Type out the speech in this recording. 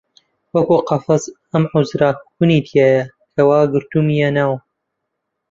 وەک قەفەس ئەم حوجرە کون تێیە کە وا گرتوومیە ناو